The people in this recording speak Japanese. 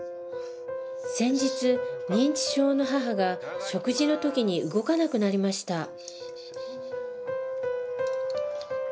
先日認知症の母が食事の時に動かなくなりました